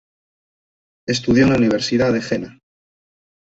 Estudió en la Universidad de Jena.